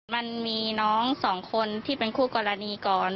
มันมีน้องสองคนที่เป็นคู่กรณีก่อน